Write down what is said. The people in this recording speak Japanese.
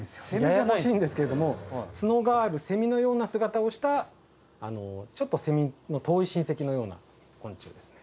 ややこしいんですけれどもツノがあるセミのような姿をしたちょっとセミの遠い親戚のような昆虫ですね。